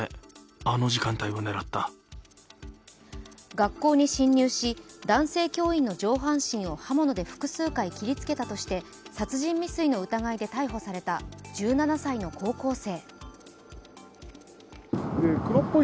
学校に侵入し、男性教員の上半身を刃物で複数回切りつけたとして殺人未遂の疑いで逮捕された１７歳の高校生。